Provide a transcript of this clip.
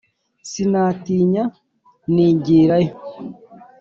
sinatinya nigira yo